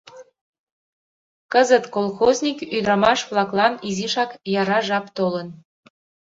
Кызыт колхозник ӱдырамаш-влаклан изишак яра жап толын.